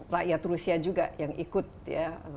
rakyat rusia juga yang ikut ya